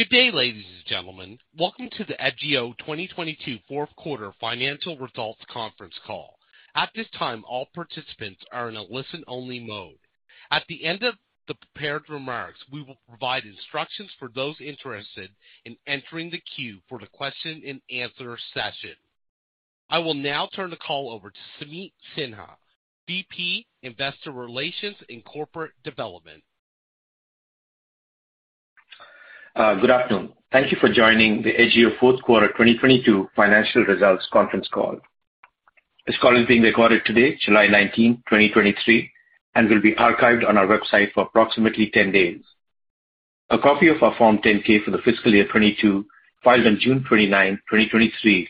Good day, ladies and gentlemen. Welcome to the Edgio 2022 Fourth Quarter Financial Results Conference Call. At this time, all participants are in a listen-only mode. At the end of the prepared remarks, we will provide instructions for those interested in entering the queue for the question and answer session. I will now turn the call over to Sameet Sinha, VP, Investor Relations and Corporate Development. Good afternoon. Thank you for joining the Edgio fourth quarter 2022 financial results conference call. This call is being recorded today, July 19th, 2023, and will be archived on our website for approximately 10 days. A copy of our Form 10-K for the fiscal year 2022, filed on June 29, 2023,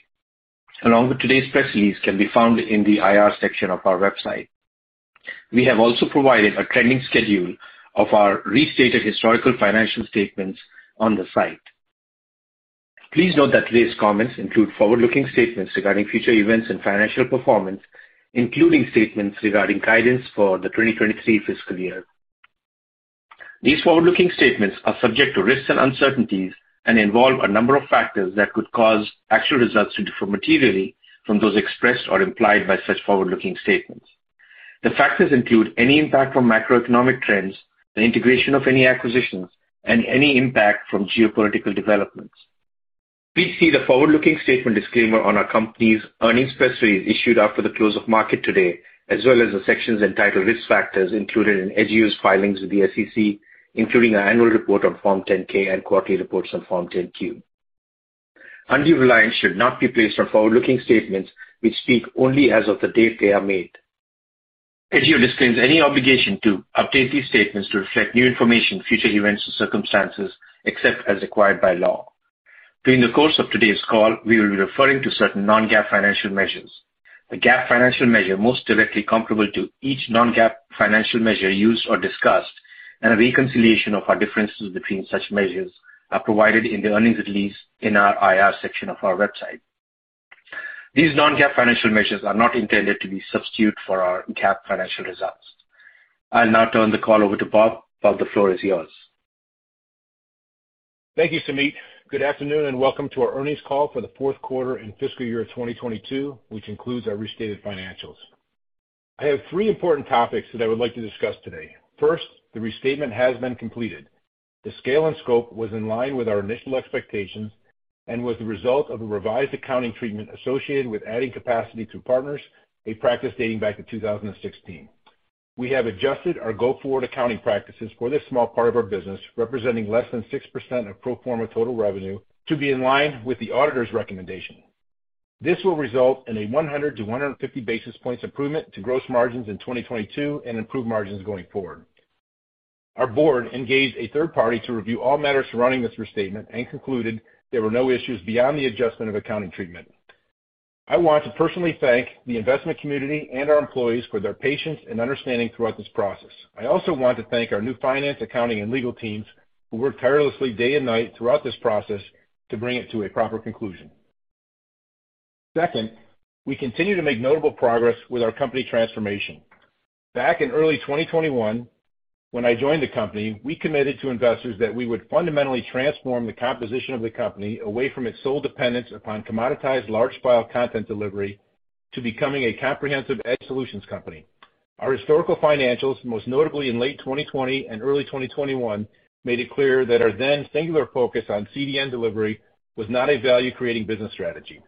along with today's press release, can be found in the IR section of our website. We have also provided a trending schedule of our restated historical financial statements on the site. Please note that today's comments include forward-looking statements regarding future events and financial performance, including statements regarding guidance for the 2023 fiscal year. These forward-looking statements are subject to risks and uncertainties and involve a number of factors that could cause actual results to differ materially from those expressed or implied by such forward-looking statements. The factors include any impact from macroeconomic trends, the integration of any acquisitions, and any impact from geopolitical developments. Please see the forward-looking statement disclaimer on our company's earnings press release, issued after the close of market today, as well as the sections entitled Risk Factors included in Edgio's filings with the SEC, including our annual report on Form 10-K and quarterly reports on Form 10-Q. Undue reliance should not be placed on forward-looking statements which speak only as of the date they are made. Edgio disclaims any obligation to update these statements to reflect new information, future events, or circumstances, except as required by law. During the course of today's call, we will be referring to certain non-GAAP financial measures. The GAAP financial measure, most directly comparable to each non-GAAP financial measure used or discussed, and a reconciliation of our differences between such measures are provided in the earnings release in our IR section of our website. These non-GAAP financial measures are not intended to be substitute for our GAAP financial results. I'll now turn the call over to Bob. Bob, the floor is yours. Thank you, Sameet. Good afternoon, welcome to our earnings call for the fourth quarter and fiscal year of 2022, which includes our restated financials. I have three important topics that I would like to discuss today. First, the restatement has been completed. The scale and scope was in line with our initial expectations and was the result of a revised accounting treatment associated with adding capacity through partners, a practice dating back to 2016. We have adjusted our go-forward accounting practices for this small part of our business, representing less than 6% of pro forma total revenue, to be in line with the auditor's recommendation. This will result in a 100 basis points to 150 basis points improvement to gross margins in 2022 and improve margins going forward. Our board engaged a third party to review all matters surrounding this restatement and concluded there were no issues beyond the adjustment of accounting treatment. I want to personally thank the investment community and our employees for their patience and understanding throughout this process. I also want to thank our new finance, accounting, and legal teams, who worked tirelessly day and night throughout this process to bring it to a proper conclusion. Second, we continue to make notable progress with our company transformation. Back in early 2021, when I joined the company, we committed to investors that we would fundamentally transform the composition of the company away from its sole dependence upon commoditized large file content delivery to becoming a comprehensive edge solutions company. Our historical financials, most notably in late 2020 and early 2021, made it clear that our then singular focus on CDN delivery was not a value-creating business strategy.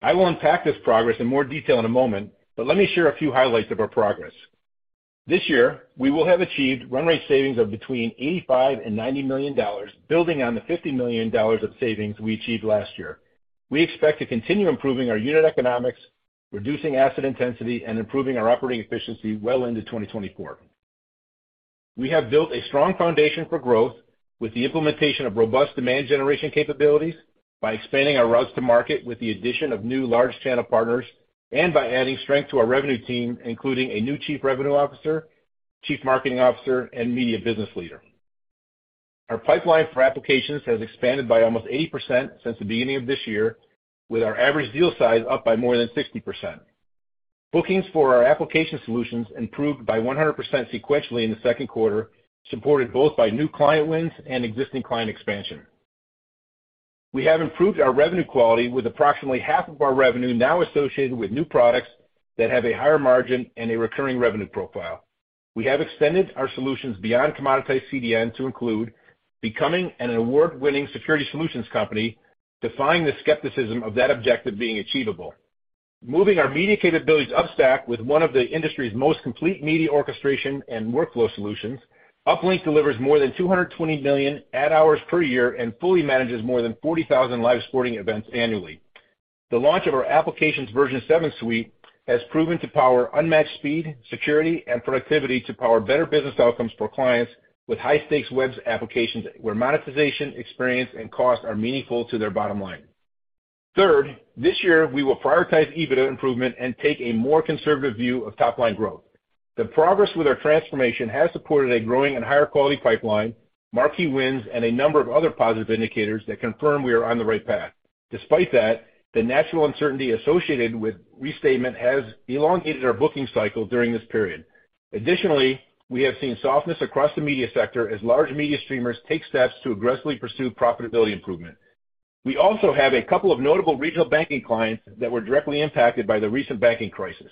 I will unpack this progress in more detail in a moment. Let me share a few highlights of our progress. This year, we will have achieved run rate savings of between $85 million and $90 million, building on the $50 million of savings we achieved last year. We expect to continue improving our unit economics, reducing asset intensity, and improving our operating efficiency well into 2024. We have built a strong foundation for growth with the implementation of robust demand generation capabilities by expanding our routes to market with the addition of new large channel partners and by adding strength to our revenue team, including a new Chief Revenue Officer, Chief Marketing Officer, and Media Business Leader. Our pipeline for applications has expanded by almost 80% since the beginning of this year, with our average deal size up by more than 60%. Bookings for our application solutions improved by 100% sequentially in the second quarter, supported both by new client wins and existing client expansion. We have improved our revenue quality with approximately half of our revenue now associated with new products that have a higher margin and a recurring revenue profile. We have extended our solutions beyond commoditized CDN to include becoming an award-winning security solutions company, defying the skepticism of that objective being achievable. Moving our media capabilities upstack with one of the industry's most complete media orchestration and workflow solutions, Uplink delivers more than 220 million ad hours per year and fully manages more than 40,000 live sporting events annually. The launch of our Applications version seven suite has proven to power unmatched speed, security, and productivity to power better business outcomes for clients with high-stakes web applications, where monetization, experience, and cost are meaningful to their bottom line. Third, this year we will prioritize EBITDA improvement and take a more conservative view of top-line growth. The progress with our transformation has supported a growing and higher quality pipeline, marquee wins, and a number of other positive indicators that confirm we are on the right path. Despite that, the natural uncertainty associated with restatement has elongated our booking cycle during this period. Additionally, we have seen softness across the media sector as large media streamers take steps to aggressively pursue profitability improvement. We also have a couple of notable regional banking clients that were directly impacted by the recent banking crisis.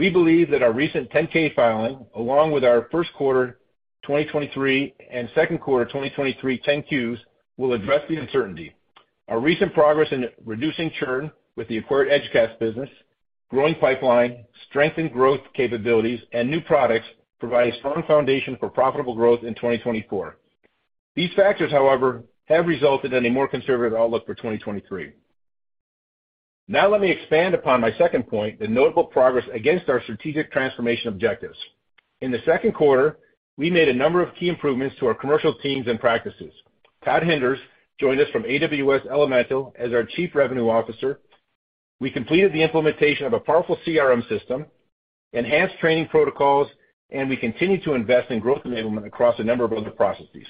We believe that our recent 10-K filing, along with our first quarter 2023 and second quarter 2023 10-Qs, will address the uncertainty. Our recent progress in reducing churn with the acquired Edgecast business, growing pipeline, strengthened growth capabilities, and new products provide a strong foundation for profitable growth in 2024. These factors, however, have resulted in a more conservative outlook for 2023. Let me expand upon my second point, the notable progress against our strategic transformation objectives. In the second quarter, we made a number of key improvements to our commercial teams and practices. Todd Hinders joined us from AWS Elemental as our Chief Revenue Officer. We completed the implementation of a powerful CRM system, enhanced training protocols, and we continue to invest in growth enablement across a number of other processes.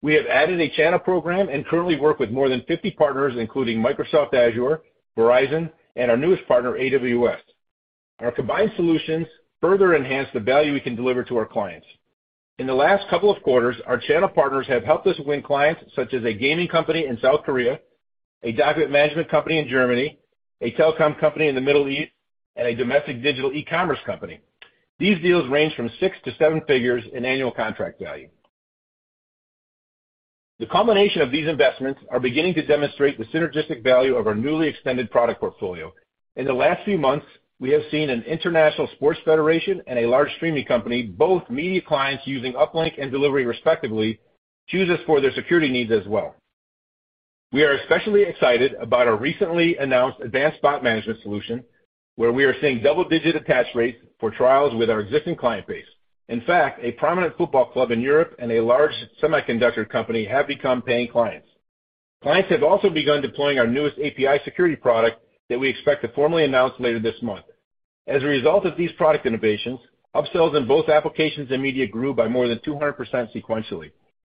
We have added a channel program and currently work with more than 50 partners, including Microsoft Azure, Verizon, and our newest partner, AWS. Our combined solutions further enhance the value we can deliver to our clients. In the last couple of quarters, our channel partners have helped us win clients, such as a gaming company in South Korea, a document management company in Germany, a telecom company in the Middle East, and a domestic digital e-commerce company. These deals range from six to seven figures in annual contract value. The combination of these investments are beginning to demonstrate the synergistic value of our newly extended product portfolio. In the last few months, we have seen an international sports federation and a large streaming company, both media clients using Uplink and delivery, respectively, choose us for their security needs as well. We are especially excited about our recently announced advanced bot management solution, where we are seeing double-digit attach rates for trials with our existing client base. In fact, a prominent football club in Europe and a large semiconductor company have become paying clients. Clients have also begun deploying our newest API security product that we expect to formally announce later this month. As a result of these product innovations, upsells in both applications and media grew by more than 200% sequentially.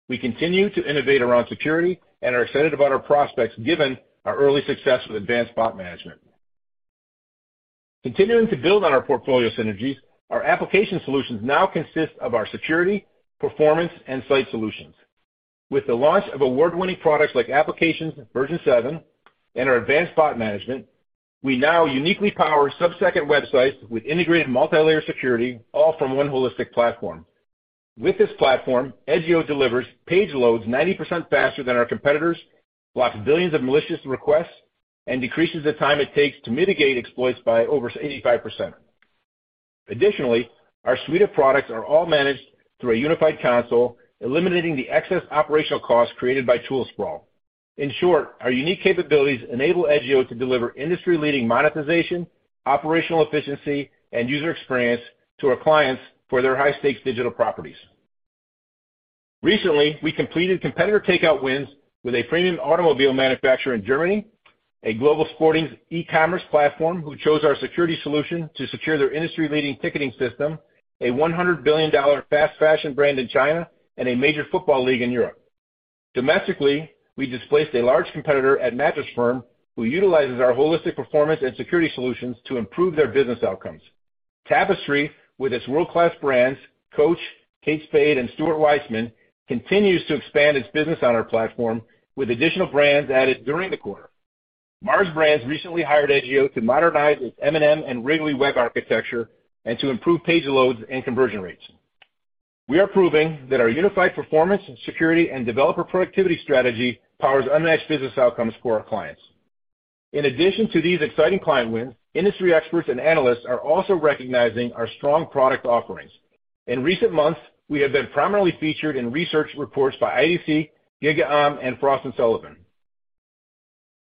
We continue to innovate around security and are excited about our prospects, given our early success with advanced bot management. Continuing to build on our portfolio synergies, our application solutions now consist of our security, performance, and site solutions. With the launch of award-winning products like Applications version seven and our advanced bot management, we now uniquely power sub-second websites with integrated multilayer security, all from one holistic platform. With this platform, Edgio delivers page loads 90% faster than our competitors, blocks billions of malicious requests, and decreases the time it takes to mitigate exploits by over 85%. Additionally, our suite of products are all managed through a unified console, eliminating the excess operational costs created by tool sprawl. In short, our unique capabilities enable Edgio to deliver industry-leading monetization, operational efficiency, and user experience to our clients for their high-stakes digital properties. Recently, we completed competitor takeout wins with a premium automobile manufacturer in Germany, a global sporting e-commerce platform, who chose our security solution to secure their industry-leading ticketing system, a $100 billion fast fashion brand in China, and a major football league in Europe. Domestically, we displaced a large competitor at Mattress Firm, who utilizes our holistic performance and security solutions to improve their business outcomes. Tapestry, with its world-class brands, Coach, Kate Spade, and Stuart Weitzman, continues to expand its business on our platform, with additional brands added during the quarter. Mars Brands recently hired Edgio to modernize its M&M and Wrigley web architecture and to improve page loads and conversion rates. We are proving that our unified performance, security, and developer productivity strategy powers unmatched business outcomes for our clients. In addition to these exciting client wins, industry experts and analysts are also recognizing our strong product offerings. In recent months, we have been prominently featured in research reports by IDC, GigaOm, and Frost & Sullivan.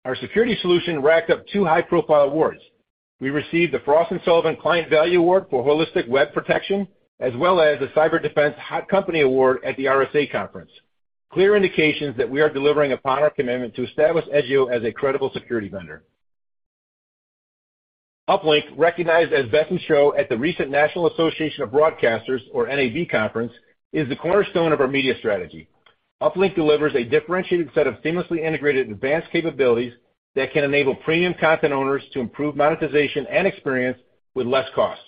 Our security solution racked up two high-profile awards. We received the Frost & Sullivan Client Value Award for holistic web protection, as well as the Cyber Defense Hot Company Award at the RSA Conference, clear indications that we are delivering upon our commitment to establish Edgio as a credible security vendor. Uplink, recognized as Best in Show at the recent National Association of Broadcasters, or NAB conference, is the cornerstone of our media strategy. Uplink delivers a differentiated set of seamlessly integrated advanced capabilities that can enable premium content owners to improve monetization and experience with less cost.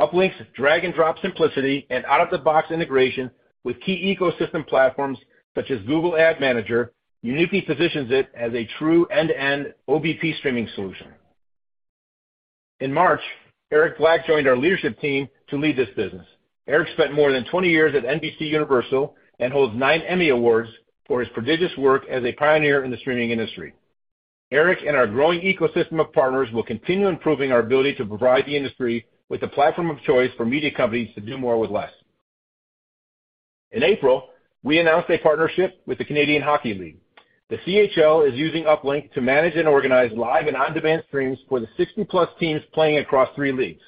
Uplink's drag-and-drop simplicity and out-of-the-box integration with key ecosystem platforms, such as Google Ad Manager, uniquely positions it as a true end-to-end OVP streaming solution. In March, Eric Black joined our leadership team to lead this business. Eric spent more than 20 years at NBCUniversal and holds nine Emmy awards for his prodigious work as a pioneer in the streaming industry. Eric and our growing ecosystem of partners will continue improving our ability to provide the industry with a platform of choice for media companies to do more with less. In April, we announced a partnership with the Canadian Hockey League. The CHL is using Uplink to manage and organize live and on-demand streams for the 60-plus teams playing across three leagues.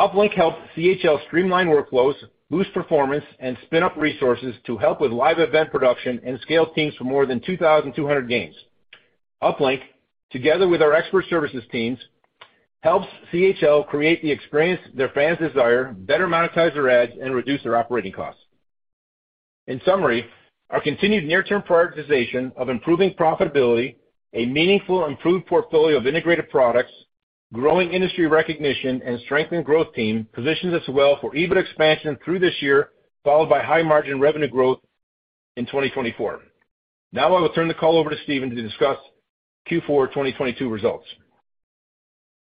Uplink helps CHL streamline workflows, boost performance, and spin up resources to help with live event production and scale teams for more than 2,200 games. Uplink, together with our expert services teams, helps CHL create the experience their fans desire, better monetize their ads and reduce their operating costs. In summary, our continued near-term prioritization of improving profitability, a meaningful improved portfolio of integrated products, growing industry recognition, and strengthened growth team positions us well for EBIT expansion through this year, followed by high margin revenue growth in 2024. I will turn the call over to Stephen to discuss Q4 2022 results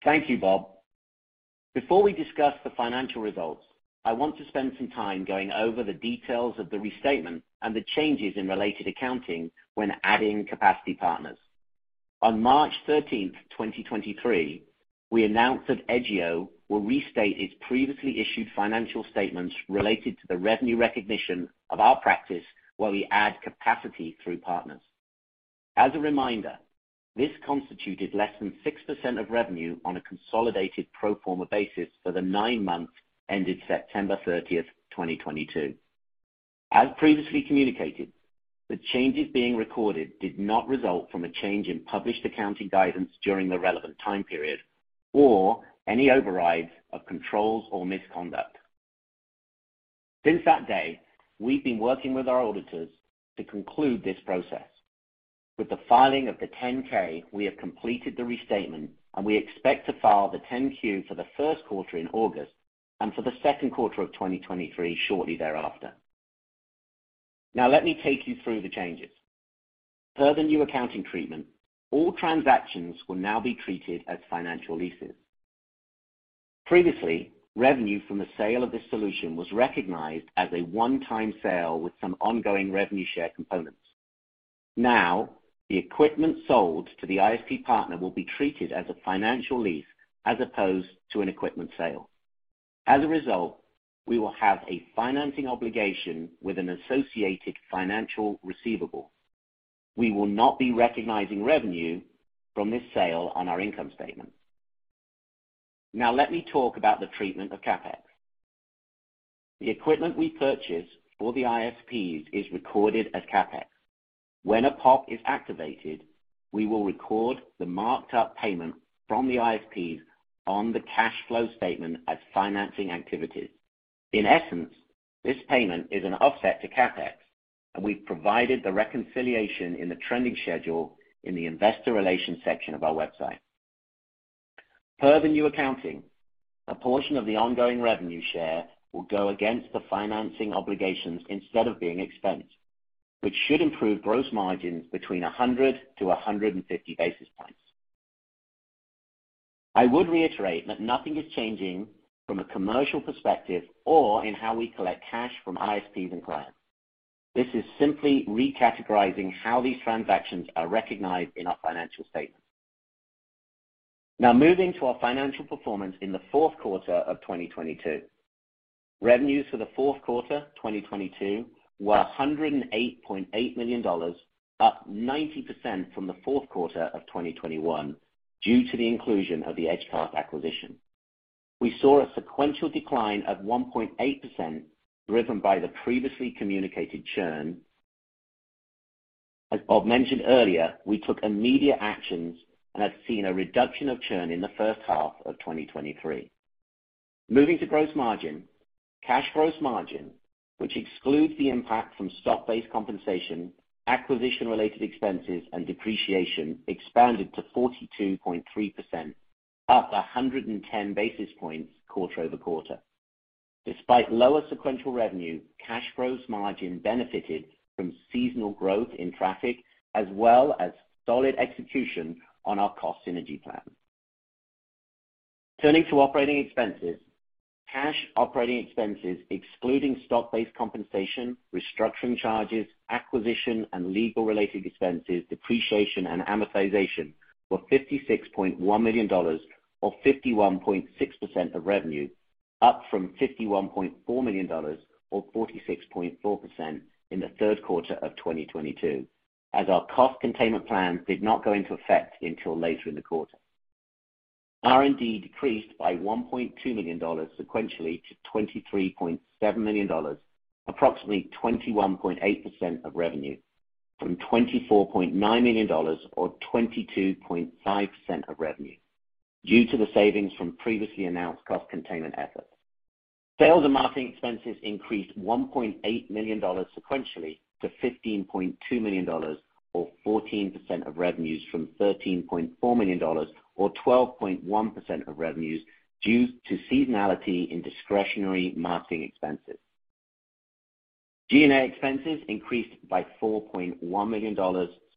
Thank you, Bob. Before we discuss the financial results, I want to spend some time going over the details of the restatement and the changes in related accounting when adding capacity partners. On March 13, 2023, we announced that Edgio will restate its previously issued financial statements related to the revenue recognition of our practice, where we add capacity through partners. As a reminder, this constituted less than 6% of revenue on a consolidated pro forma basis for the nine months ended September 30th, 2022. As previously communicated, the changes being recorded did not result from a change in published accounting guidance during the relevant time period or any overrides of controls or misconduct. Since that day, we've been working with our auditors to conclude this process. With the filing of the Form 10-K, we have completed the restatement, and we expect to file the Form 10-Q for the first quarter in August and for the second quarter of 2023 shortly thereafter. Let me take you through the changes. Per the new accounting treatment, all transactions will now be treated as financial leases. Previously, revenue from the sale of this solution was recognized as a one-time sale with some ongoing revenue share components. The equipment sold to the ISP partner will be treated as a financial lease as opposed to an equipment sale. As a result, we will have a financing obligation with an associated financial receivable. We will not be recognizing revenue from this sale on our income statement. Let me talk about the treatment of CapEx. The equipment we purchase for the ISPs is recorded as CapEx. When a POP is activated, we will record the marked up payment from the ISPs on the cash flow statement as financing activities. In essence, this payment is an offset to CapEx, and we've provided the reconciliation in the trending schedule in the investor relations section of our website. Per the new accounting, a portion of the ongoing revenue share will go against the financing obligations instead of being expensed, which should improve gross margins between 100 basis points to 150 basis points. I would reiterate that nothing is changing from a commercial perspective or in how we collect cash from ISPs and clients. This is simply recategorizing how these transactions are recognized in our financial statements. Moving to our financial performance in the fourth quarter of 2022. Revenues for the fourth quarter 2022 were $108.8 million, up 90% from the fourth quarter of 2021, due to the inclusion of the Edgecast acquisition. We saw a sequential decline of 1.8%, driven by the previously communicated churn. As Bob mentioned earlier, we took immediate actions and have seen a reduction of churn in the first half of 2023. Moving to gross margin. Cash gross margin, which excludes the impact from stock-based compensation, acquisition-related expenses, and depreciation, expanded to 42.3%, up 110 basis points quarter-over-quarter. Despite lower sequential revenue, cash gross margin benefited from seasonal growth in traffic, as well as solid execution on our cost synergy plan. Turning to operating expenses. Cash operating expenses, excluding stock-based compensation, restructuring charges, acquisition and legal-related expenses, depreciation, and amortization, were $56.1 million, or 51.6% of revenue, up from $51.4 million, or 46.4% in the third quarter of 2022, as our cost containment plan did not go into effect until later in the quarter. R&D decreased by $1.2 million sequentially to $23.7 million, approximately 21.8% of revenue from $24.9 million, or 22.5% of revenue, due to the savings from previously announced cost containment efforts. Sales and marketing expenses increased $1.8 million sequentially to $15.2 million, or 14% of revenues, from $13.4 million, or 12.1% of revenues, due to seasonality in discretionary marketing expenses. G&A expenses increased by $4.1 million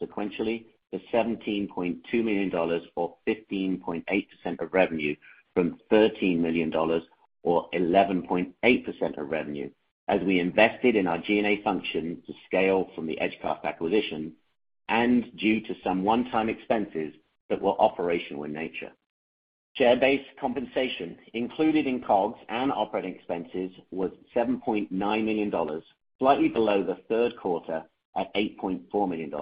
sequentially to $17.2 million, or 15.8% of revenue from $13 million or 11.8% of revenue, as we invested in our G&A function to scale from the Edgecast acquisition and due to some one-time expenses that were operational in nature. Share-based compensation included in COGS and operating expenses was $7.9 million, slightly below the third quarter at $8.4 million.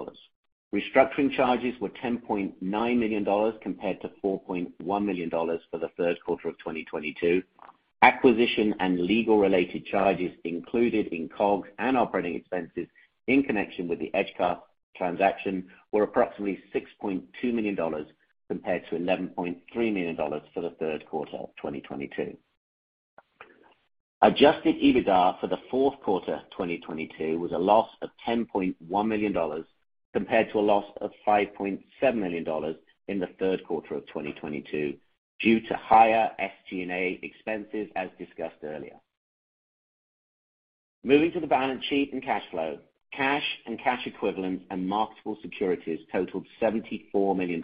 Restructuring charges were $10.9 million, compared to $4.1 million for the third quarter of 2022. Acquisition and legal related charges included in COGS and operating expenses in connection with the Edgecast transaction were approximately $6.2 million, compared to $11.3 million for the third quarter of 2022. Adjusted EBITDA for the fourth quarter of 2022 was a loss of $10.1 million, compared to a loss of $5.7 million in the third quarter of 2022, due to higher SG&A expenses, as discussed earlier. Moving to the balance sheet and cash flow. Cash and cash equivalents and marketable securities totaled $74 million,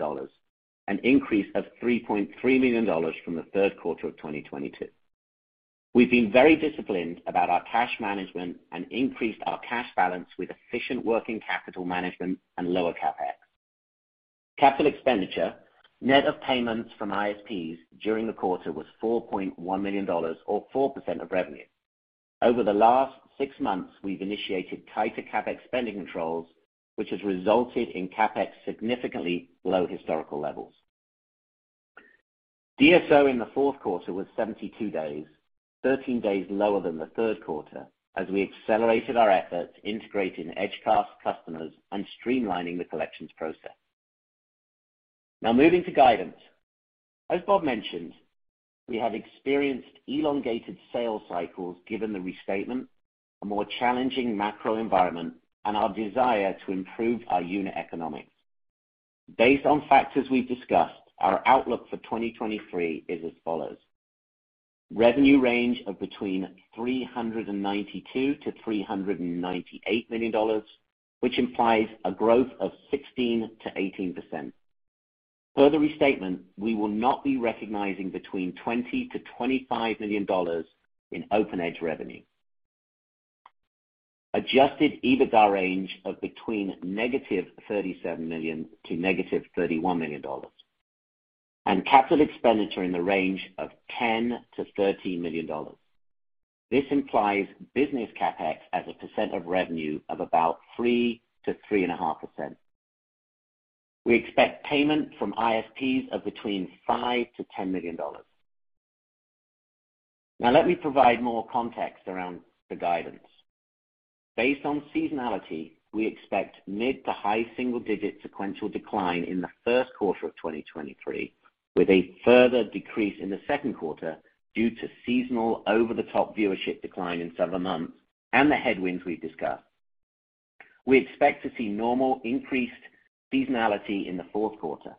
an increase of $3.3 million from the third quarter of 2022. We've been very disciplined about our cash management and increased our cash balance with efficient working capital management and lower CapEx. Capital expenditure, net of payments from ISPs during the quarter, was $4.1 million, or 4% of revenue. Over the last six months, we've initiated tighter CapEx spending controls, which has resulted in CapEx significantly below historical levels. DSO in the fourth quarter was 72 days, 13 days lower than the third quarter, as we accelerated our efforts integrating Edgecast customers and streamlining the collections process. Now moving to guidance. As Bob mentioned, we have experienced elongated sales cycles given the restatement, a more challenging macro environment, and our desire to improve our unit economics. Based on factors we've discussed, our outlook for 2023 is as follows: revenue range of between $392 million-$398 million, which implies a growth of 16%-18%. Per the restatement, we will not be recognizing between $20 million-$25 million in OpenEdge revenue. Adjusted EBITDA range of between -$37 million to -$31 million, and capital expenditure in the range of $10 million-$13 million. This implies business CapEx as a percent of revenue of about 3%-3.5%. We expect payment from ISPs of between $5 million to $10 million. Let me provide more context around the guidance. Based on seasonality, we expect mid to high single-digit sequential decline in the first quarter of 2023, with a further decrease in the second quarter due to seasonal over-the-top viewership decline in several months and the headwinds we've discussed. We expect to see normal increased seasonality in the fourth quarter.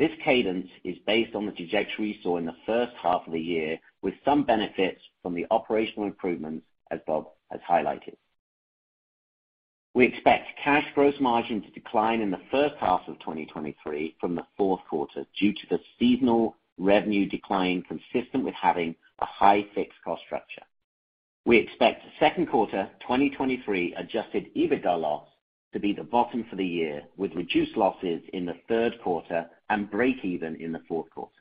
This cadence is based on the trajectory we saw in the first half of the year, with some benefits from the operational improvements, as Bob has highlighted. We expect cash gross margin to decline in the first half of 2023 from the fourth quarter due to the seasonal revenue decline, consistent with having a high fixed cost structure. We expect second quarter 2023 adjusted EBITDA loss to be the bottom for the year, with reduced losses in the third quarter and break even in the fourth quarter.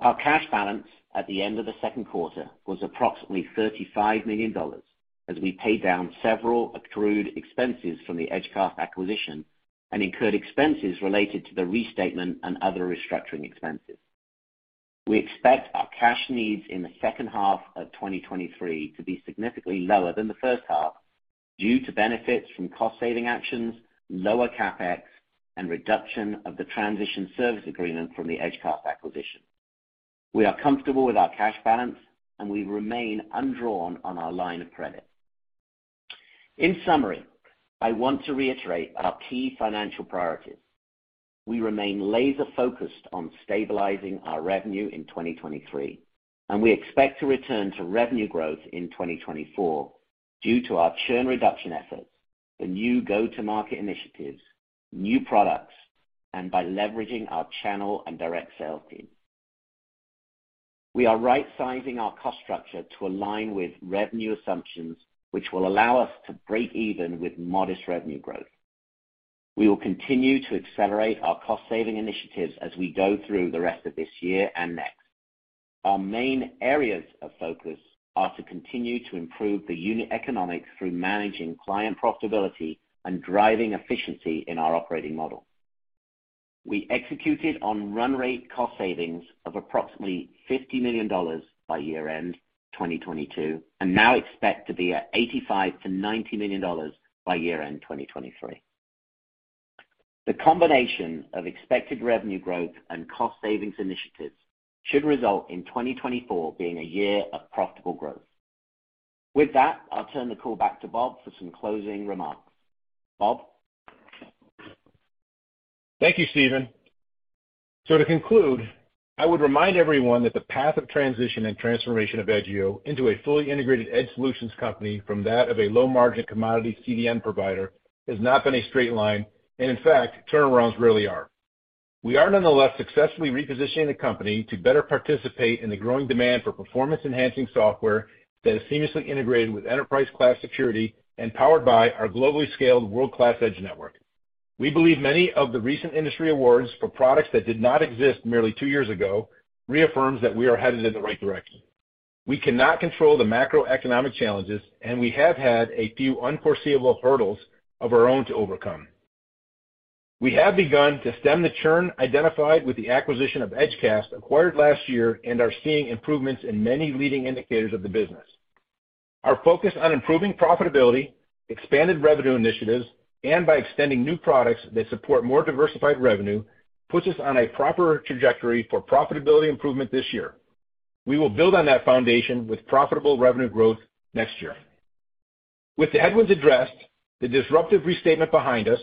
Our cash balance at the end of the second quarter was approximately $35 million, as we paid down several accrued expenses from the Edgecast acquisition and incurred expenses related to the restatement and other restructuring expenses. We expect our cash needs in the second half of 2023 to be significantly lower than the first half due to benefits from cost saving actions, lower CapEx, and reduction of the transition service agreement from the Edgecast acquisition. We are comfortable with our cash balance, and we remain undrawn on our line of credit. In summary, I want to reiterate our key financial priorities. We remain laser-focused on stabilizing our revenue in 2023, and we expect to return to revenue growth in 2024 due to our churn reduction efforts, the new go-to-market initiatives, new products, and by leveraging our channel and direct sales team. We are right-sizing our cost structure to align with revenue assumptions, which will allow us to break even with modest revenue growth. We will continue to accelerate our cost-saving initiatives as we go through the rest of this year and next. Our main areas of focus are to continue to improve the unit economics through managing client profitability and driving efficiency in our operating model. We executed on run rate cost savings of approximately $50 million by year-end 2022, and now expect to be at $85 million-$90 million by year-end 2023. The combination of expected revenue growth and cost savings initiatives should result in 2024 being a year of profitable growth. With that, I'll turn the call back to Bob for some closing remarks. Bob? Thank you, Stephen. To conclude, I would remind everyone that the path of transition and transformation of Edgio into a fully integrated edge solutions company from that of a low-margin commodity CDN provider, has not been a straight line, and in fact, turnarounds rarely are. We are nonetheless successfully repositioning the company to better participate in the growing demand for performance-enhancing software that is seamlessly integrated with enterprise-class security and powered by our globally scaled, world-class edge network. We believe many of the recent industry awards for products that did not exist merely two years ago reaffirms that we are headed in the right direction. We cannot control the macroeconomic challenges. We have had a few unforeseeable hurdles of our own to overcome. We have begun to stem the churn identified with the acquisition of Edgecast, acquired last year, and are seeing improvements in many leading indicators of the business. Our focus on improving profitability, expanded revenue initiatives, and by extending new products that support more diversified revenue, puts us on a proper trajectory for profitability improvement this year. We will build on that foundation with profitable revenue growth next year. With the headwinds addressed, the disruptive restatement behind us,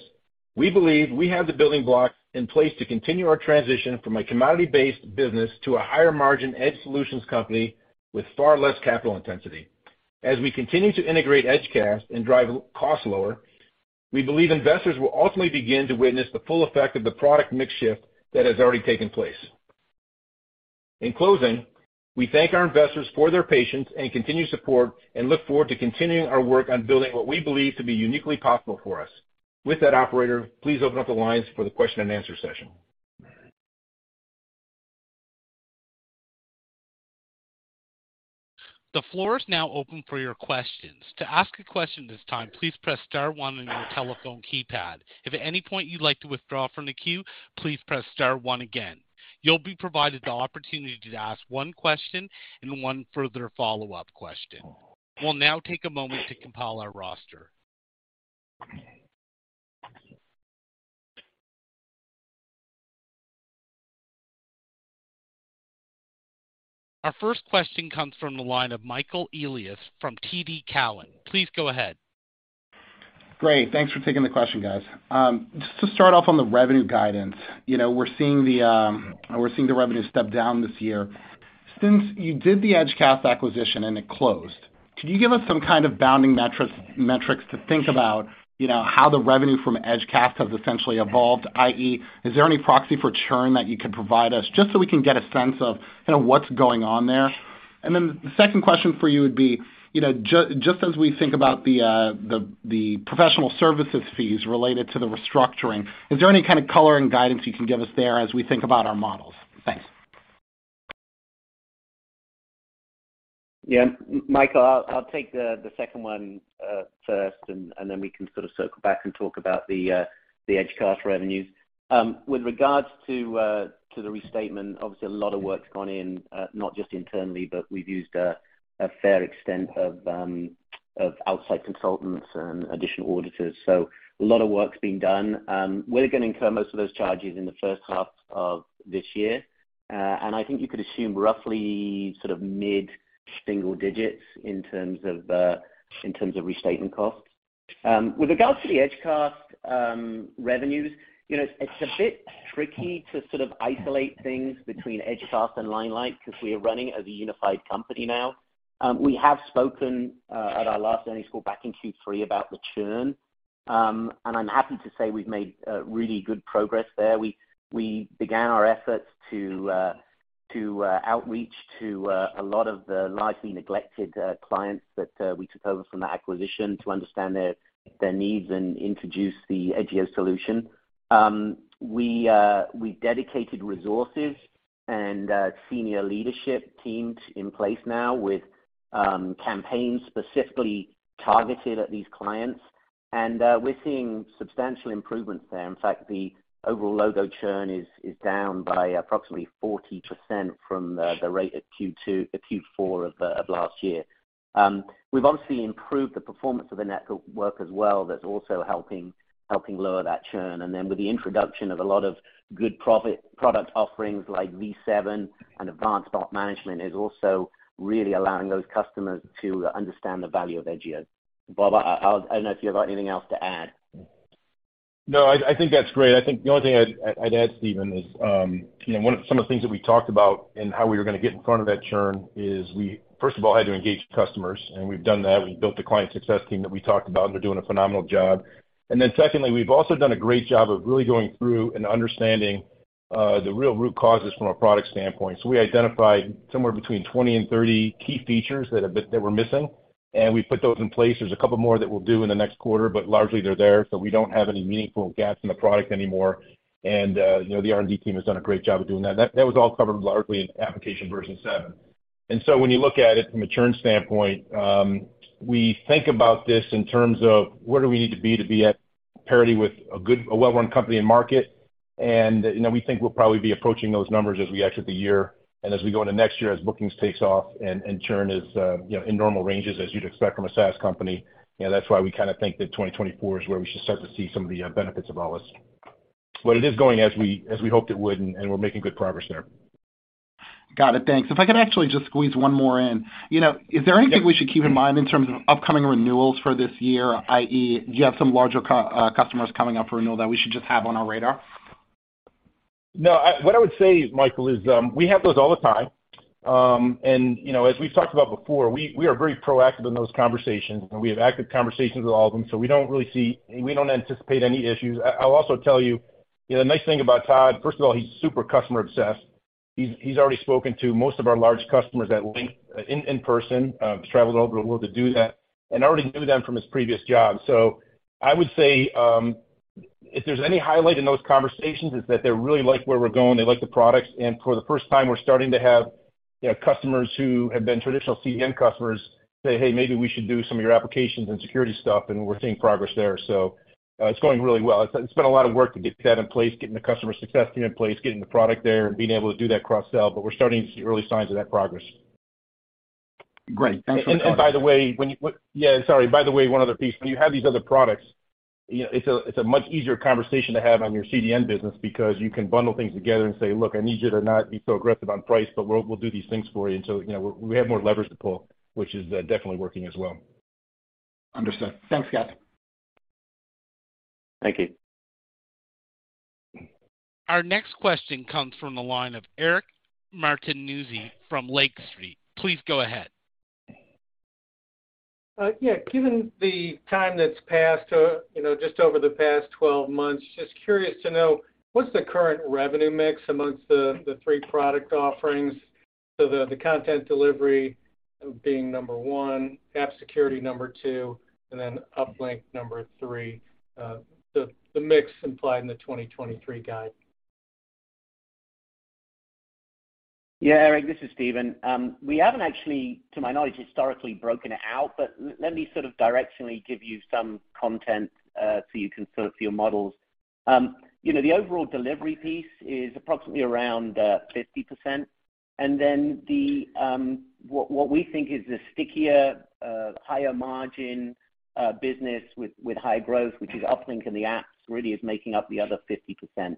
we believe we have the building block in place to continue our transition from a commodity-based business to a higher margin edge solutions company with far less capital intensity. As we continue to integrate Edgecast and drive costs lower, we believe investors will ultimately begin to witness the full effect of the product mix shift that has already taken place. In closing, we thank our investors for their patience and continued support, and look forward to continuing our work on building what we believe to be uniquely possible for us. With that, operator, please open up the lines for the question and answer session. The floor is now open for your questions. To ask a question at this time, please press star one on your telephone keypad. If at any point you'd like to withdraw from the queue, please press star one again. You'll be provided the opportunity to ask one question and one further follow-up question. We'll now take a moment to compile our roster. Our first question comes from the line of Michael Elias from TD Cowen. Please go ahead. Great. Thanks for taking the question, guys. just to start off on the revenue guidance, you know, we're seeing the revenue step down this year. Since you did the Edgecast acquisition and it closed, could you give us some kind of bounding metrics to think about, you know, how the revenue from Edgecast has essentially evolved? i.e., is there any proxy for churn that you could provide us, just so we can get a sense of kind of what's going on there? The second question for you would be, you know, just as we think about the professional services fees related to the restructuring, is there any kind of color and guidance you can give us there as we think about our models? Thanks. Yeah, Michael, I'll take the second one first, then we can sort of circle back and talk about the Edgecast revenues. With regards to the restatement, obviously, a lot of work's gone in, not just internally, but we've used a fair extent of outside consultants and additional auditors. A lot of work's been done. We're gonna incur most of those charges in the first half of this year. I think you could assume roughly sort of mid-single digits in terms of restatement costs. With regards to the Edgecast revenues, you know, it's a bit tricky to sort of isolate things between Edgecast and Limelight because we are running as a unified company now. We have spoken at our last earnings call back in Q3 about the churn. I'm happy to say we've made really good progress there. We began our efforts to outreach to a lot of the largely neglected clients that we took over from that acquisition to understand their needs and introduce the Edgio solution. We dedicated resources and senior leadership teams in place now with campaigns specifically targeted at these clients. We're seeing substantial improvements there. In fact, the overall logo churn is down by approximately 40% from the rate at Q4 of last year. We've obviously improved the performance of the network as well. That's also helping lower that churn. With the introduction of a lot of good profit product offerings like V7 and advanced bot management, is also really allowing those customers to understand the value of Edgio. Bob, I don't know if you've got anything else to add? I think that's great. I think the only thing I'd add, Steven, is, you know, some of the things that we talked about and how we were gonna get in front of that churn is we first of all had to engage customers, and we've done that. We've built the client success team that we talked about, and they're doing a phenomenal job. Secondly, we've also done a great job of really going through and understanding the real root causes from a product standpoint. We identified somewhere between 20 and 30 key features that were missing, and we put those in place. There's a couple more that we'll do in the next quarter, but largely they're there, so we don't have any meaningful gaps in the product anymore. You know, the R&D team has done a great job of doing that. That was all covered largely in Applications version seven. When you look at it from a churn standpoint, we think about this in terms of where do we need to be to be at parity with a good, well-run company and market? You know, we think we'll probably be approaching those numbers as we exit the year and as we go into next year, as bookings takes off and churn is, you know, in normal ranges, as you'd expect from a SaaS company. You know, that's why we kinda think that 2024 is where we should start to see some of the benefits of all this. It is going as we hoped it would, and we're making good progress there. Got it. Thanks. If I could actually just squeeze one more in. You know, is there anything we should keep in mind in terms of upcoming renewals for this year, i.e., do you have some larger customers coming up for renewal that we should just have on our radar? No, I. What I would say, Michael, is, we have those all the time. You know, as we've talked about before, we are very proactive in those conversations, and we have active conversations with all of them, so we don't anticipate any issues. I'll also tell you know, the nice thing about Todd, first of all, he's super customer obsessed. He's already spoken to most of our large customers at length, in person, he's traveled all over the world to do that, and already knew them from his previous job. I would say, if there's any highlight in those conversations, it's that they really like where we're going, they like the products, and for the first time, we're starting to have. Customers who have been traditional CDN customers say, hey, maybe we should do some of your applications and security stuff, and we're seeing progress there. It's going really well. It's been a lot of work to get that in place, getting the customer success team in place, getting the product there, and being able to do that cross-sell, but we're starting to see early signs of that progress. Great. Thanks. By the way, Yeah, sorry. By the way, one other piece. When you have these other products, you know, it's a much easier conversation to have on your CDN business because you can bundle things together and say, look, I need you to not be so aggressive on price, but we'll do these things for you. You know, we have more leverage to pull, which is definitely working as well. Understood. Thanks, Bob. Thank you. Our next question comes from the line of Eric Martinuzzi from Lake Street. Please go ahead. Yeah, given the time that's passed, you know, just over the past 12 months, just curious to know, what's the current revenue mix amongst the three product offerings? The, the content delivery being number one, app security, number two, and then Uplink, number three, the mix implied in the 2023 guide. Yeah, Eric, this is Steven. We haven't actually, to my knowledge, historically broken it out, but let me sort of directionally give you some content, so you can sort it for your models. You know, the overall delivery piece is approximately around 50%. Then the, what we think is the stickier, higher margin, business with high growth, which is Uplink and the apps, really is making up the other 50%.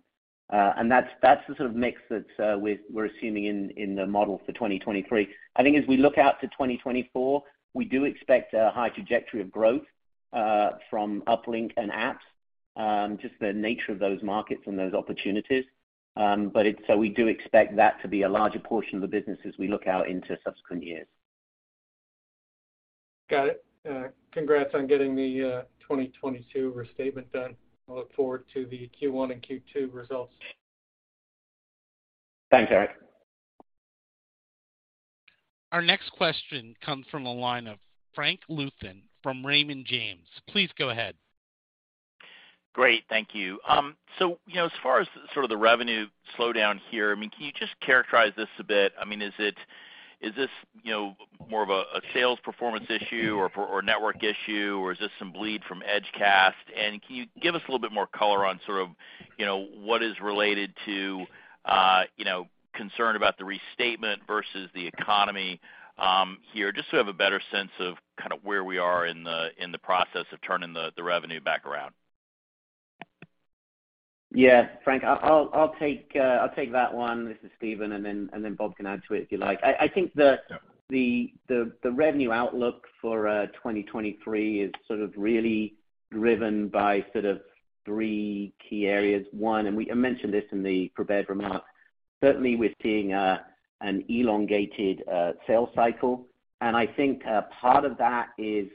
That's the sort of mix that we're assuming in the model for 2023. I think as we look out to 2024, we do expect a high trajectory of growth from Uplink and apps, just the nature of those markets and those opportunities. So we do expect that to be a larger portion of the business as we look out into subsequent years. Got it. congrats on getting the 2022 restatement done. I look forward to the Q1 and Q2 results. Thanks, Eric. Our next question comes from the line of Frank Louthan from Raymond James. Please go ahead. Great. Thank you. You know, as far as sort of the revenue slowdown here, I mean, can you just characterize this a bit? I mean, is it, is this, you know, more of a sales performance issue or network issue, or is this some bleed from Edgecast? Can you give us a little bit more color on sort of, you know, what is related to, you know, concern about the restatement versus the economy, here, just so we have a better sense of kind of where we are in the process of turning the revenue back around? Yeah, Frank, I'll take that one. This is Steven, then Bob can add to it if you like. I think the revenue outlook for 2023 is sort of really driven by sort of three key areas. One, I mentioned this in the prepared remarks, certainly we're seeing an elongated sales cycle. I think part of that is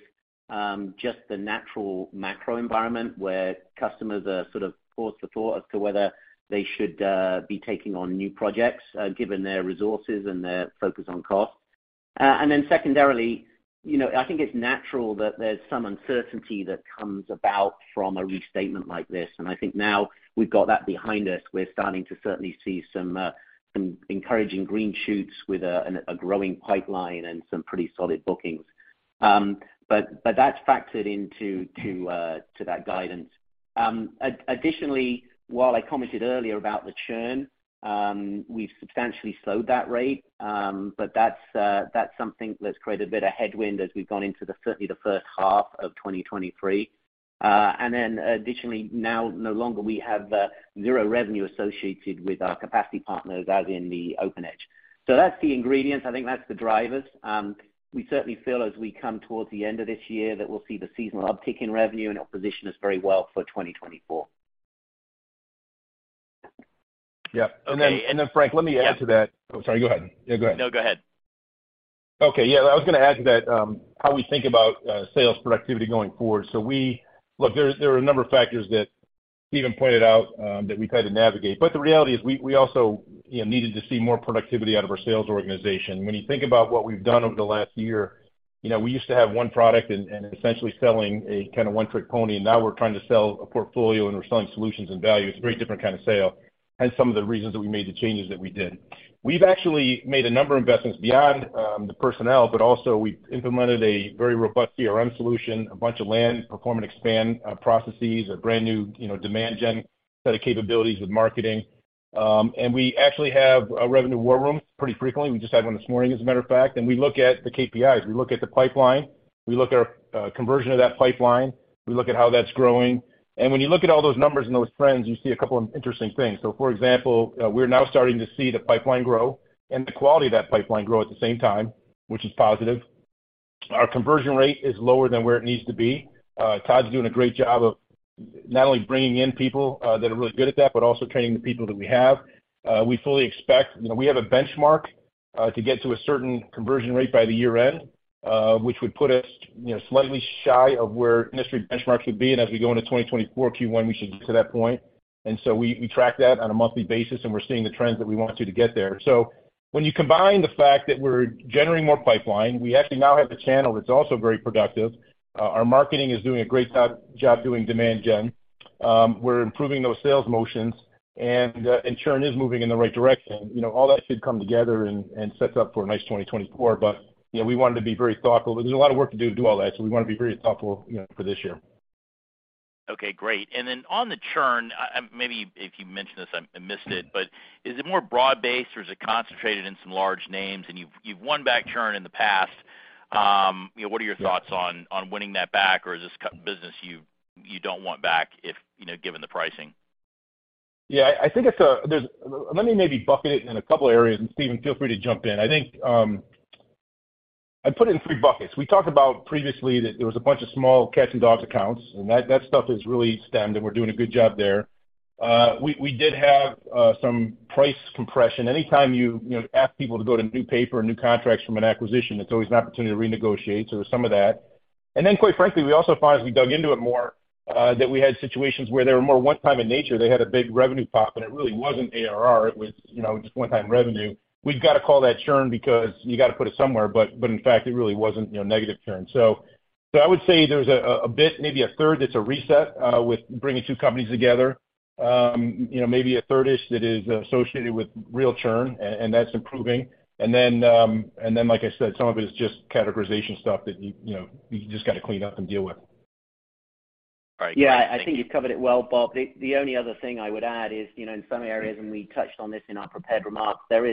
just the natural macro environment where customers are sort of pause for thought as to whether they should be taking on new projects given their resources and their focus on cost. Then secondarily, you know, I think it's natural that there's some uncertainty that comes about from a restatement like this, and I think now we've got that behind us. We're starting to certainly see some encouraging green shoots with a growing pipeline and some pretty solid bookings. That's factored into that guidance. Additionally, while I commented earlier about the churn, we've substantially slowed that rate, but that's something that's created a bit of headwind as we've gone into the, certainly the first half of 2023. Additionally, now no longer we have zero revenue associated with our capacity partners as in the OpenEdge. That's the ingredients. I think that's the drivers. We certainly feel as we come towards the end of this year, that we'll see the seasonal uptick in revenue and it'll position us very well for 2024. Yeah. Frank, let me add to that. Yeah. I'm sorry. Go ahead. Yeah, go ahead. No, go ahead. Okay, yeah. I was gonna add to that, how we think about sales productivity going forward. Look, there are a number of factors that Steven pointed out, that we've had to navigate, but the reality is, we also, you know, needed to see more productivity out of our sales organization. When you think about what we've done over the last year, you know, we used to have one product and essentially selling a kinda one-trick pony, and now we're trying to sell a portfolio, and we're selling solutions and value. It's a very different kind of sale, hence some of the reasons that we made the changes that we did. We've actually made a number of investments beyond the personnel, but also we implemented a very robust CRM solution, a bunch of land, perform, and expand processes, a brand new, you know, demand gen set of capabilities with marketing. We actually have a revenue war room pretty frequently. We just had one this morning, as a matter of fact, we look at the KPIs, we look at the pipeline, we look at our conversion of that pipeline, we look at how that's growing. When you look at all those numbers and those trends, you see a couple of interesting things. For example, we're now starting to see the pipeline grow and the quality of that pipeline grow at the same time, which is positive. Our conversion rate is lower than where it needs to be. Todd's doing a great job of not only bringing in people that are really good at that, but also training the people that we have. We fully expect. You know, we have a benchmark to get to a certain conversion rate by the year end, which would put us, you know, slightly shy of where industry benchmarks would be, and as we go into 2024 Q1, we should get to that point. We track that on a monthly basis, and we're seeing the trends that we want to get there. When you combine the fact that we're generating more pipeline, we actually now have a channel that's also very productive. Our marketing is doing a great job doing demand gen. We're improving those sales motions, and churn is moving in the right direction. You know, all that should come together and sets up for a nice 2024. You know, we wanted to be very thoughtful. There's a lot of work to do to do all that. We wanna be very thoughtful, you know, for this year. Okay, great. On the churn, maybe if you mentioned this, I missed it, but is it more broad-based, or is it concentrated in some large names, and you've won back churn in the past? You know, what are your thoughts on winning that back, or is this business you don't want back if, you know, given the pricing? Yeah, I think, let me maybe bucket it in a couple of areas. Steven, feel free to jump in. I think, I'd put it in three buckets. We talked about previously that there was a bunch of small cats and dogs accounts. That stuff is really stemmed. We're doing a good job there. We did have some price compression. Anytime you know, ask people to go to new paper and new contracts from an acquisition, it's always an opportunity to renegotiate. There's some of that. Quite frankly, we also found, as we dug into it more, that we had situations where they were more one-time in nature. They had a big revenue pop. It really wasn't ARR, it was, you know, just one-time revenue. We've got to call that churn because you got to put it somewhere, but in fact, it really wasn't, you know, negative churn. I would say there's a bit, maybe a third, that's a reset, with bringing two companies together. You know, maybe a third-ish that is associated with real churn, and that's improving. Like I said, some of it is just categorization stuff that you know, you just got to clean up and deal with. Right. Yeah, I think you've covered it well, Bob. The only other thing I would add is, you know, in some areas, and we touched on this in our prepared remarks, there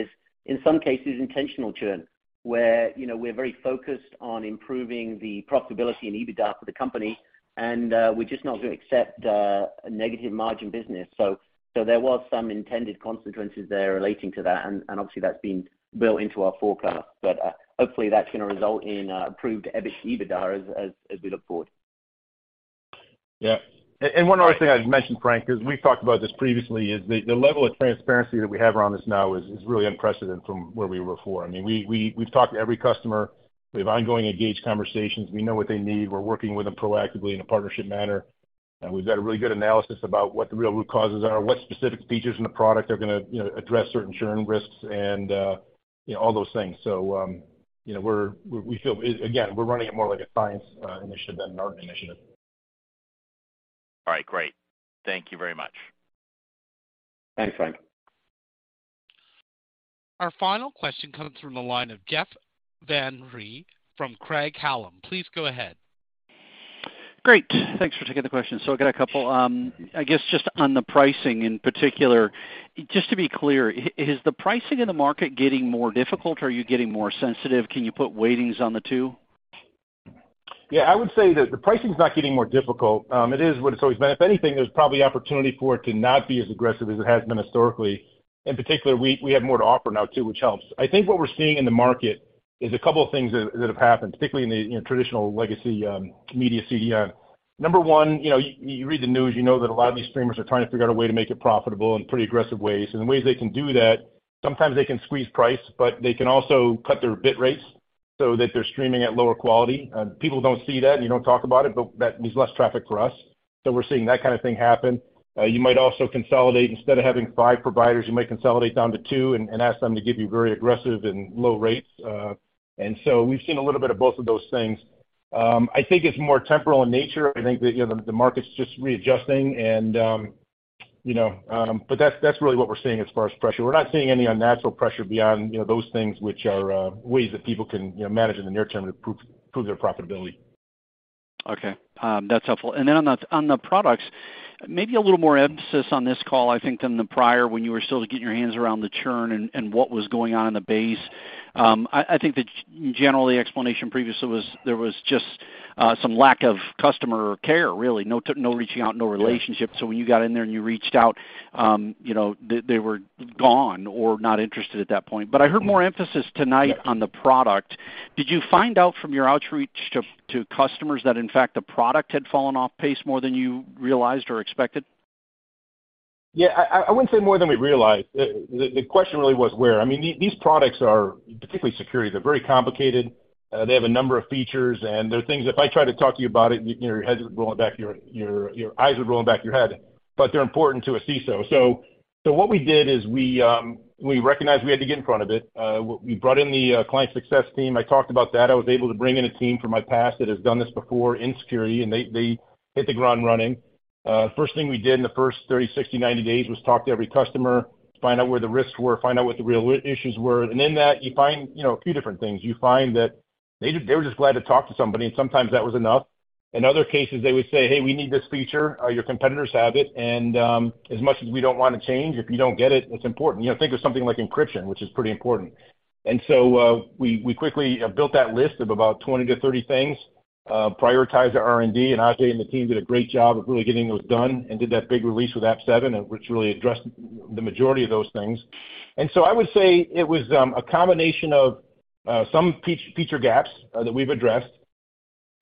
is, in some cases, intentional churn, where, you know, we're very focused on improving the profitability and EBITDA for the company, and we're just not going to accept a negative margin business. There was some intended consequences there relating to that, and obviously, that's been built into our forecast. Hopefully, that's going to result in improved EBIT, EBITDA as we look forward. Yeah. One other thing I'd mentioned, Frank, 'cause we've talked about this previously, is the level of transparency that we have around this now is really unprecedented from where we were before. I mean, we've talked to every customer. We have ongoing engaged conversations. We know what they need. We're working with them proactively in a partnership manner, and we've got a really good analysis about what the real root causes are, what specific features in the product are gonna, you know, address certain churn risks and, you know, all those things. You know, we're, we feel, again, we're running it more like a science initiative than an art initiative. All right, great. Thank you very much. Thanks, Frank. Our final question comes from the line of Jeff Van Rhee from Craig-Hallum. Please go ahead. Great. Thanks for taking the question. I've got a couple. I guess, just on the pricing in particular, just to be clear, is the pricing in the market getting more difficult, or are you getting more sensitive? Can you put weightings on the two? Yeah, I would say that the pricing is not getting more difficult. It is what it's always been. If anything, there's probably opportunity for it to not be as aggressive as it has been historically. In particular, we have more to offer now, too, which helps. I think what we're seeing in the market is a couple of things that have happened, particularly in the, you know, traditional legacy, media CDN. Number one, you know, you read the news, you know that a lot of these streamers are trying to figure out a way to make it profitable in pretty aggressive ways. The ways they can do that, sometimes they can squeeze price, but they can also cut their bit rates so that they're streaming at lower quality. People don't see that, you don't talk about it, but that means less traffic for us. We're seeing that kind of thing happen. You might also consolidate. Instead of having five providers, you might consolidate down to two and ask them to give you very aggressive and low rates. We've seen a little bit of both of those things. I think it's more temporal in nature. I think that, you know, the market's just readjusting and, you know, but that's really what we're seeing as far as pressure. We're not seeing any unnatural pressure beyond, you know, those things which are ways that people can, you know, manage in the near term to improve their profitability. Okay, that's helpful. On the, on the products, maybe a little more emphasis on this call, I think, than the prior, when you were still getting your hands around the churn and what was going on in the base. I think the general explanation previously was there was just some lack of customer care, really. No reaching out, no relationship. Yeah. When you got in there and you reached out, you know, they were gone or not interested at that point. Mm-hmm. I heard more emphasis tonight. Yeah... on the product. Did you find out from your outreach to customers that, in fact, the product had fallen off pace more than you realized or expected? I wouldn't say more than we realized. The question really was where. I mean, these products are, particularly security, they're very complicated, they have a number of features, and there are things if I try to talk to you about it, you know, your head is rolling back, your eyes are rolling back of your head, but they're important to a CISO. What we did is we recognized we had to get in front of it. We brought in the client success team. I talked about that. I was able to bring in a team from my past that has done this before in security, and they hit the ground running. First thing we did in the first 30, 60, 90 days was talk to every customer, find out where the risks were, find out what the real issues were. In that, you find, you know, a few different things. You find that they were just glad to talk to somebody, and sometimes that was enough. In other cases, they would say, "Hey, we need this feature, your competitors have it, and as much as we don't want to change, if you don't get it's important." You know, think of something like encryption, which is pretty important. We, we quickly built that list of about 20 to 30 things, prioritized the R&D, and Ajay and the team did a great job of really getting those done and did that big release with AppOps, and which really addressed the majority of those things. I would say it was a combination of some feature gaps that we've addressed,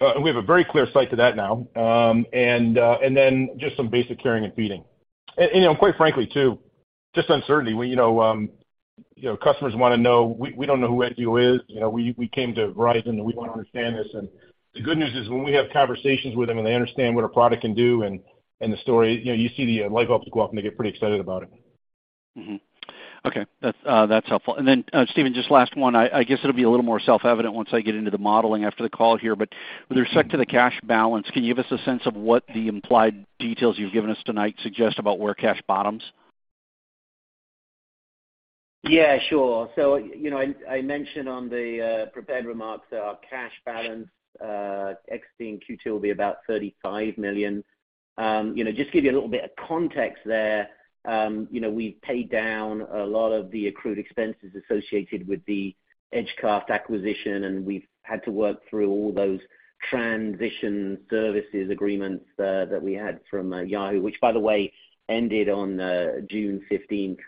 and we have a very clear sight to that now, and then just some basic caring and feeding. You know, quite frankly, too, just uncertainty. We, you know, customers want to know, we don't know who Edgio is. You know, we came to Verizon, and we want to understand this. The good news is, when we have conversations with them and they understand what our product can do and the story, you know, you see the light bulbs go off, and they get pretty excited about it. Mm-hmm. Okay, that's helpful. Steven, just last one. I guess it'll be a little more self-evident once I get into the modeling after the call here, but with respect to the cash balance, can you give us a sense of what the implied details you've given us tonight suggest about where cash bottoms? Yeah, sure. You know, I mentioned on the prepared remarks that our cash balance exiting Q2 will be about $35 million. You know, just give you a little bit of context there, you know, we've paid down a lot of the accrued expenses associated with the Edgecast acquisition, and we've had to work through all those transition services agreements that we had from Yahoo, which, by the way, ended on June 15th.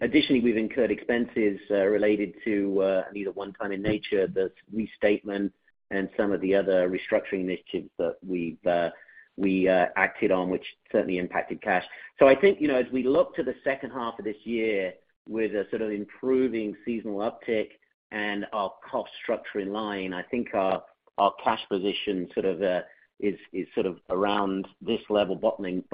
Additionally, we've incurred expenses related to these are one-time in nature, the restatement and some of the other restructuring initiatives that we've acted on, which certainly impacted cash. I think, you know, as we look to the second half of this year with a sort of improving seasonal uptick and our cost structure in line, I think our cash position sort of is sort of around this level, bottoming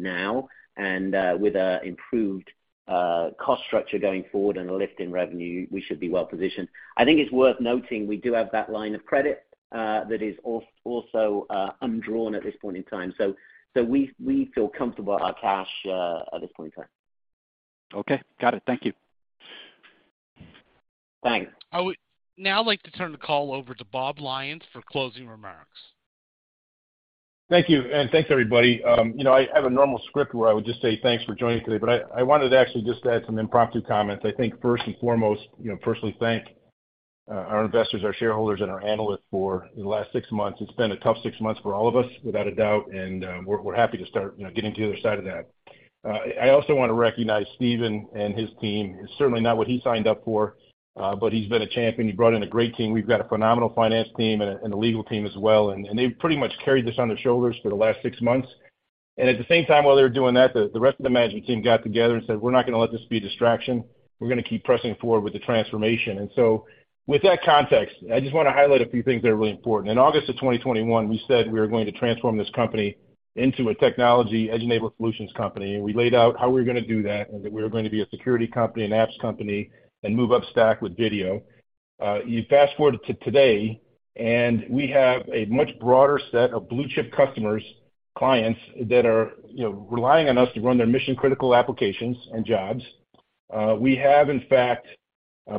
now, and with a improved cost structure going forward and a lift in revenue, we should be well positioned. I think it's worth noting, we do have that line of credit, that is also undrawn at this point in time. We feel comfortable with our cash at this point in time. Okay, got it. Thank you. Thanks. I would now like to turn the call over to Bob Lyons for closing remarks. Thank you. Thanks, everybody. You know, I have a normal script where I would just say, "Thanks for joining today," I wanted to actually just add some impromptu comments. I think first and foremost, you know, personally thank our investors, our shareholders, and our analysts for the last 6 months. It's been a tough six months for all of us, without a doubt, we're happy to start, you know, getting to the other side of that. I also want to recognize Steven and his team. It's certainly not what he signed up for, he's been a champion. He brought in a great team. We've got a phenomenal finance team and a legal team as well, they've pretty much carried this on their shoulders for the last six months. At the same time, while they were doing that, the rest of the management team got together and said, "We're not gonna let this be a distraction. We're gonna keep pressing forward with the transformation." With that context, I just want to highlight a few things that are really important. In August of 2021, we said we were going to transform this company into a technology edge-enabled solutions company, and we laid out how we were gonna do that, and that we were going to be a security company, an apps company, and move up stack with video. You fast-forward to today, and we have a much broader set of blue-chip customers, clients that are, you know, relying on us to run their mission-critical applications and jobs. We have, in fact,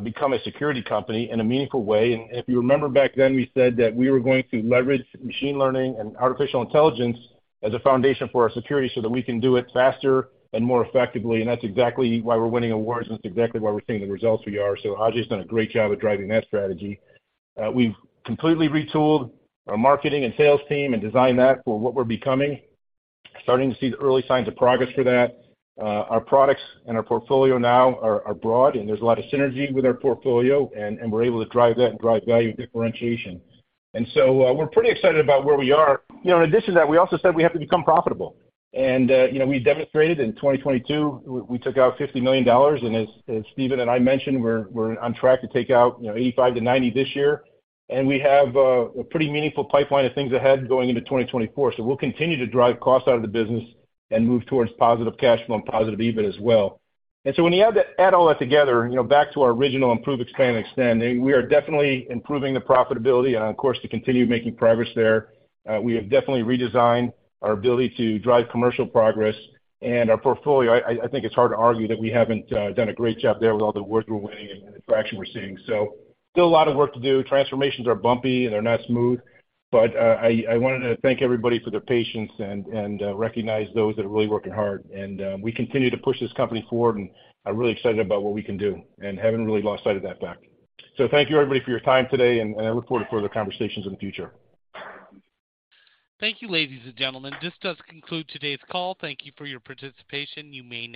become a security company in a meaningful way. If you remember back then, we said that we were going to leverage machine learning and artificial intelligence as a foundation for our security so that we can do it faster and more effectively, and that's exactly why we're winning awards, and that's exactly why we're seeing the results we are. Ajay's done a great job at driving that strategy. We've completely retooled our marketing and sales team and designed that for what we're becoming. Starting to see the early signs of progress for that. Our products and our portfolio now are broad, and there's a lot of synergy with our portfolio, and we're able to drive that and drive value and differentiation. So, we're pretty excited about where we are. You know, in addition to that, we also said we have to become profitable. You know, we demonstrated in 2022, we took out $50 million, and as Steven and I mentioned, we're on track to take out, you know, $85-90 this year. We have a pretty meaningful pipeline of things ahead going into 2024. We'll continue to drive costs out of the business and move towards positive cash flow and positive EBIT as well. When you add all that together, you know, back to our original improve, expand, and extend, we are definitely improving the profitability, and of course, to continue making progress there. We have definitely redesigned our ability to drive commercial progress and our portfolio. I think it's hard to argue that we haven't done a great job there with all the awards we're winning and the traction we're seeing. Still a lot of work to do. Transformations are bumpy, and they're not smooth, but I wanted to thank everybody for their patience and recognize those that are really working hard. We continue to push this company forward, and I'm really excited about what we can do and haven't really lost sight of that fact. Thank you, everybody, for your time today, and I look forward to further conversations in the future. Thank you, ladies and gentlemen. This does conclude today's call. Thank you for your participation. You may disconnect.